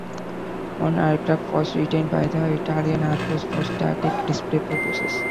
One aircraft was retained by the Italian Air Force for static display purposes.